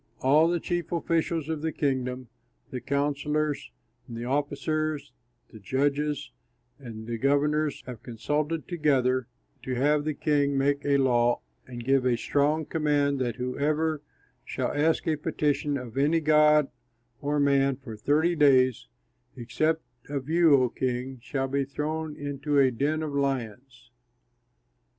All the chief officials of the kingdom, the counsellors and the officers, the judges and the governors, have consulted together to have the king make a law and give a strong command that whoever shall ask a petition of any god or man for thirty days, except of you, O king, shall be thrown into a den of lions.